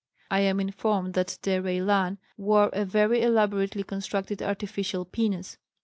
I am informed that De Raylan wore a very elaborately constructed artificial penis.